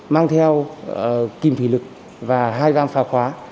mang theo kìm thủy lực và hai gam phá khóa